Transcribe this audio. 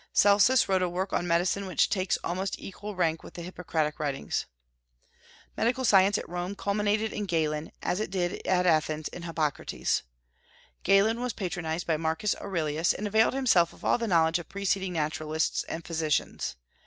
Celsus wrote a work on medicine which takes almost equal rank with the Hippocratic writings. Medical science at Rome culminated in Galen, as it did at Athens in Hippocrates. Galen was patronized by Marcus Aurelius, and availed himself of all the knowledge of preceding naturalists and physicians.